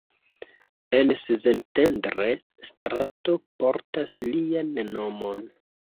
En Szentendre strato portas lian nomon.